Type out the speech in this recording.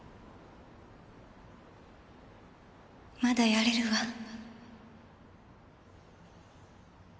まだやれるわ。